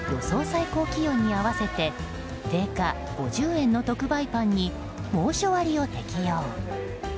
最高気温に合わせて定価５０円の特売パンに猛暑割を適用。